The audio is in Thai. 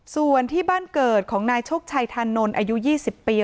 ส่วนที่บ้านเกิดของนายโชคชัยธานนท์อายุ๒๐ปี